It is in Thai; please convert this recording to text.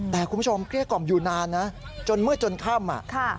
แต่คุณผู้ชมเกลี้ยกล่อมอยู่นานนะจนเมื่อจนค่ำ